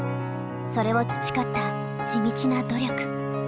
それを培った地道な努力。